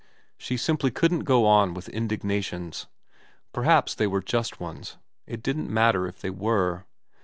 She simply couldn't go on with indignations. Perhaps they were just ones. It didn't matter if they were.